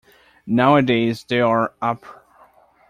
Nowadays there are appr.